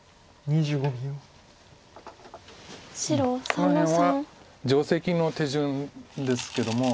この辺は定石の手順ですけども。